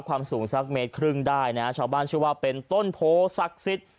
ความสูงสักเมตรครึ่งได้นะชาวบ้านเชื่อว่าเป็นต้นโพศักดิ์สิทธิ์